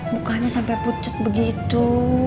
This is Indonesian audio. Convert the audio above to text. bukannya sampai pucat begitu